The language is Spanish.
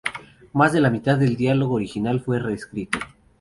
Más de la mitad del diálogo original fue reescrito..